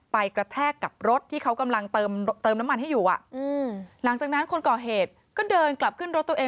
กระแทกกับรถที่เขากำลังเติมน้ำมันให้อยู่หลังจากนั้นคนก่อเหตุก็เดินกลับขึ้นรถตัวเอง